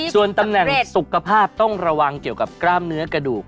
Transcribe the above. ส่วนตำแหน่งสุขภาพต้องระวังเกี่ยวกับกล้ามเนื้อกระดูก